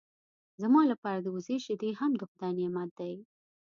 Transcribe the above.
زما لپاره د وزې شیدې هم د خدای نعمت دی.